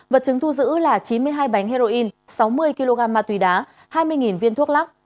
vật chứng thu giữ là chín mươi hai bánh heroin sáu mươi kg ma túy đá hai mươi viên thuốc lắc